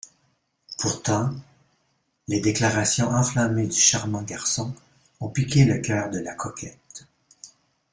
Pourtant, les déclarations enflammées du charmant garçon ont piqué le cœur de la coquette.